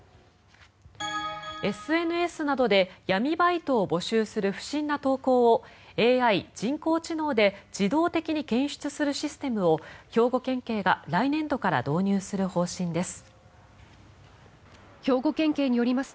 ＳＮＳなどで闇バイトを募集する不審な投稿をＡＩ・人工知能で自動的に検出するシステムを兵庫県警が来年度から導入する方針です。